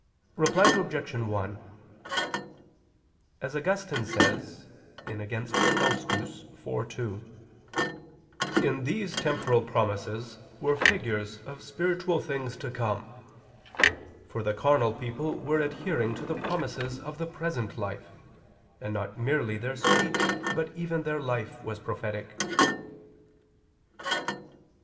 Reply Obj. 1: As Augustine says (Contra Faust. iv, 2), "in these temporal promises were figures of spiritual things to come. For the carnal people were adhering to the promises of the present life; and not merely their speech but even their life was prophetic."